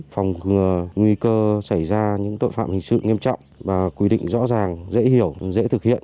phòng nguy cơ xảy ra những tội phạm hình sự nghiêm trọng và quy định rõ ràng dễ hiểu dễ thực hiện